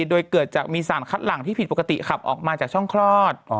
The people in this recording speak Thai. โดยเกิดจากมีสารคัดหลังที่ผิดปกติขับออกมาจากช่องคลอด